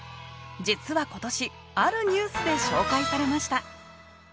実は今年あるニュースで紹介されました